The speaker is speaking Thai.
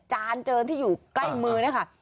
จานเจินที่อยู่ใกล้มือเนี่ยค่ะ